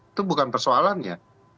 itu bukan persoalannya